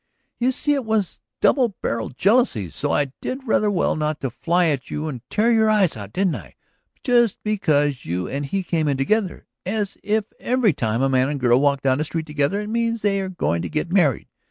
"You see it was double barrelled jealousy; so I did rather well not to fly at you and tear your eyes out, didn't I? Just because you and he came in together ... as if every time a man and girl walk down the street together it means that they are going to get married!